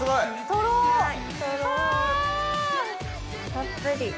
たっぷり。